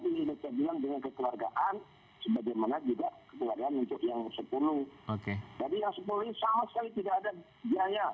jadi yang sepuluh ini sama sekali tidak ada biaya